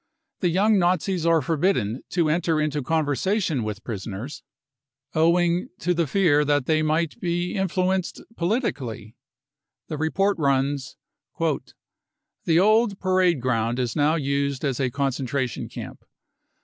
The young Nazis are forbidden to enter into conversation wit?x THE CONCENTRATION CAMPS 297 the prisoners, owing to the fear that they might be in fluenced politically. The report runs : ct The old parade ground is now used as a concentration camp.